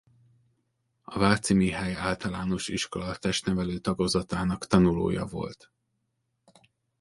A Váci Mihály Általános Iskola testnevelő tagozatának tanulója volt.